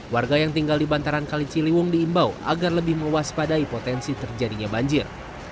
warga yang tinggal di bantaran kali ciliwung diimbau agar lebih mewaspadai potensi terjadinya banjir